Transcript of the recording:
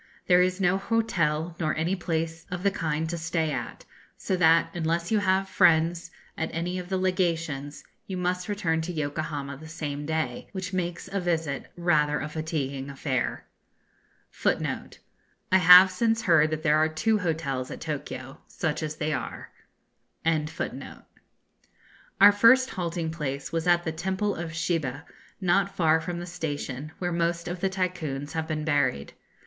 There is no hotel nor any place of the kind to stay at; so that, unless you have friends at any of the Legations, you must return to Yokohama the same day, which makes a visit rather a fatiguing affair. [Footnote 16: I have since heard that there are two hotels at Tokio, such as they are.] Our first halting place was at the Temple of Shiba, not far from the station, where most of the Tycoons have been buried.